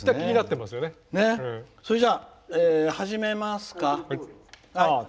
それじゃあ、始めますか。